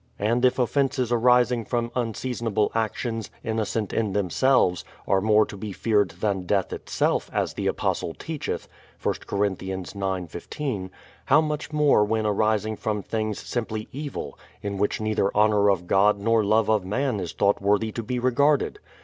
And if offences arising from unseasonable actions, innocent in themselves, are more to be feared than death itself, as the Apostle teacheth (I Cor. ix, 15), how much more when arising from things simply evil, in which neither honour of God nor love of man is thought worthy to be regarded.